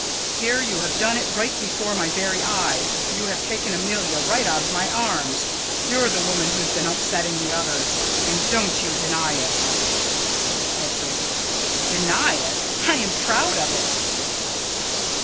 Here you have done it right before my very eyes; you have taken Amelia right out of my arms. You're the woman who's been upsetting the others, and don't you deny it. Hedwig: Deny it? I am proud of it.